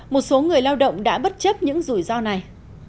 một số người lao động đã bất chấp những rủi ro này